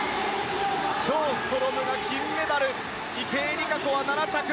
ショーストロムが金メダル池江璃花子は７着。